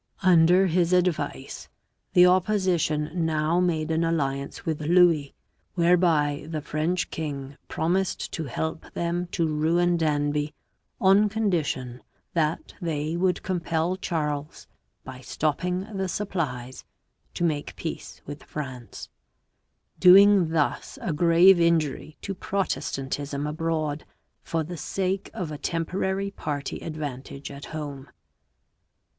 Under his advice the opposition now made an alliance with Louis whereby the French king promised to help them to ruin Danby on condition that they would compel Charles, by stopping the supplies, to make peace with France, doing thus a grave injury to Protestant ism abroad for the sake of a temporary party advantage at home.